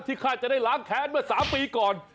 ฆ่าจะได้ล้างแค้นเมื่อ๓ปีก่อน